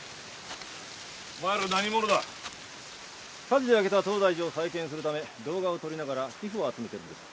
火事で焼けた東大寺を再建するため動画を撮りながら寄付を集めてるんです。